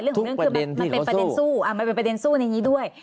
ทุกประเด็นที่เขาสู้อ่ามันเป็นประเด็นสู้ในนี้ด้วย